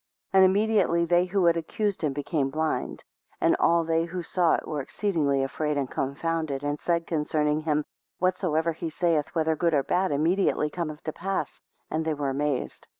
16 And immediately they who had accused him became blind, 17 And all they who saw it were exceedingly afraid and confounded, and said concerning him, Whatsoever he saith, whether good or bad, immediately cometh to pass and they were amazed.